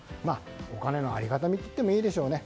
お金のありがたみといってもいいでしょうね。